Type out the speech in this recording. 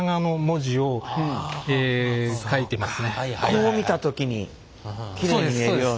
こう見た時にきれいに見えるように。